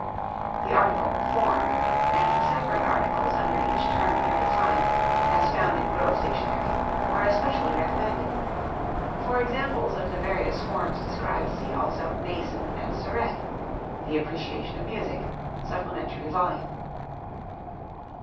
(The article "Form" and the separate articles under each term here defined, as found in Grove's Dictionary, are especially recommended. For examples of the various forms described, see also Mason and Surette "The Appreciation of Music," Supplementary Volume.)